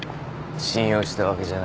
信用したわけじゃない。